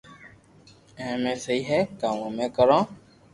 ايم اي سھي ھي ڪاو ھمي ڪرو